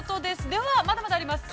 では、まだまだあります。